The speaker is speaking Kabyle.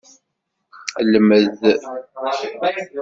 Lmed.